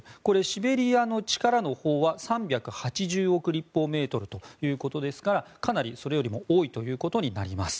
シベリアの力のほうは３８０億立方メートルですからかなり、それよりも多いということになります。